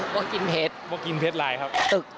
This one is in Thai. ก็กินเผ็ดครับตึกก็กินเผ็ดลายครับ